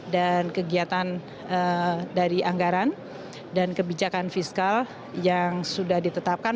dan kegiatan dari anggaran dan kebijakan fiskal yang sudah ditetapkan